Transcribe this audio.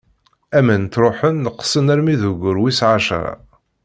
Aman ttṛuḥun neqqsen armi d aggur wis ɛecṛa.